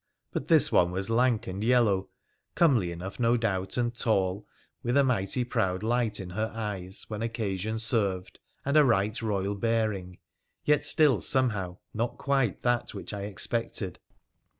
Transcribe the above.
But this one was lank and yellow, comely enough no doubt and tall, with a mighty proud light in her eyes when occasion served, and a right royal bearing, yet still somehow not quite that which I expected.